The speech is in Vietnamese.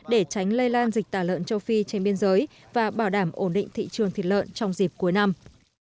để tránh lây lan dịch tả lợn châu phi trên biên giới và bảo đảm ổn định thị trường thịt lợn trong dịp cuối năm